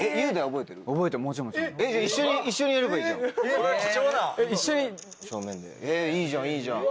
えいいじゃんいいじゃん。